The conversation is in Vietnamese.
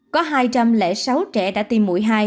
có hai trăm linh sáu trẻ đã tiêm